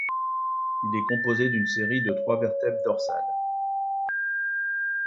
Il est composé d'une série de trois vertèbres dorsales.